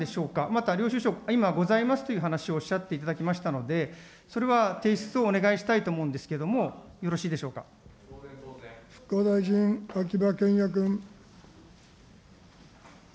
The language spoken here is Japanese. また領収書、今、ございますという話をおっしゃっていただきましたので、それは提出をお願いしたいと思うんですけれども、よろしいでしょ復興大臣、秋葉賢也君。